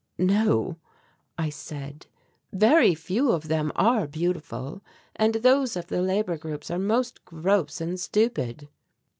"No," I said, "very few of them are beautiful, and those of the labour groups are most gross and stupid."